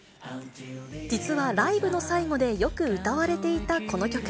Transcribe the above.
実はライブの最後でよく歌われていたこの曲。